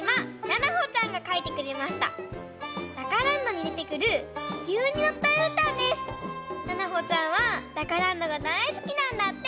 ななほちゃんは「ダカランド」がだいすきなんだって！